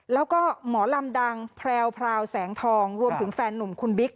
แล้วก็หมอลำดังแพรวแสงทองรวมถึงแฟนหนุ่มคุณบิ๊ก